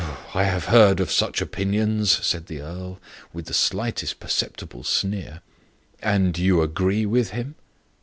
I have heard of such opinions," said the earl, with the slightest perceptible sneer. "And you agree with him?"